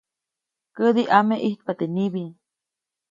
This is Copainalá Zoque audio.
Kädi ʼame ʼijtapa teʼ nibi.